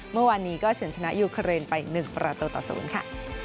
เมื่อวันนี้ก็เฉินชนะยูเครนไปหนึ่งประตูต่อศูนย์ค่ะ